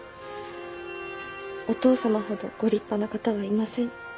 お父様ほどご立派な方はいません。